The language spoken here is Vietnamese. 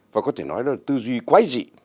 và có thể nói là tư duy quái dị